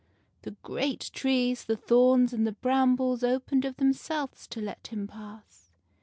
The great trees, the thorns, and the brambles opened of themselves to let him pass.